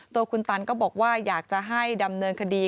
ตัวคุณตันก็บอกว่าอยากจะให้ดำเนินคดี